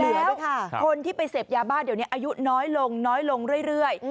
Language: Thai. แล้วคนที่ไปเสพยาบ้าเดี๋ยวนี้อายุน้อยลงเรื่อย